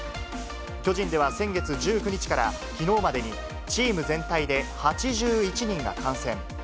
巨人では先月１９日からきのうまでに、チーム全体で８１人が感染。